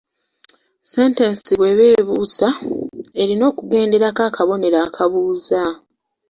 Sentensi bw’eba ebuuza, erina okugendako akabonero akabuuza.